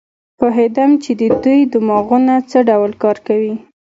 پوهېدم چې د دوی دماغونه څه ډول کار کوي.